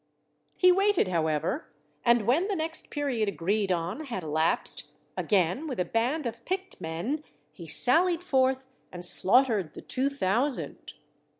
He waited, however, and when the next period agreed on had elapsed, again with a band of picked men he sallied forth, and slaughtered the two thou sand.